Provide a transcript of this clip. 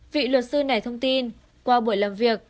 vị luật sư này thông tin qua buổi làm việc